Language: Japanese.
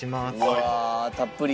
うわたっぷり。